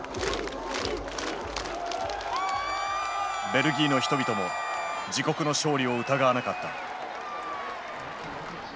ベルギーの人々も自国の勝利を疑わなかった。